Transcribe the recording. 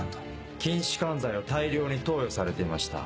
筋弛緩剤を大量に投与されていました。